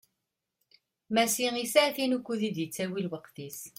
Massi yesɛa tin ukkud i d-yettawi lweqt-is.